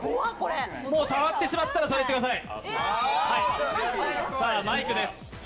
触ってしまったらそれいってください。